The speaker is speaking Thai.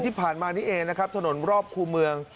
ที่ผ่านมานี้เองนะครับถนนรอบคู่เมือง